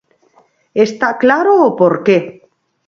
Está claro o porqué.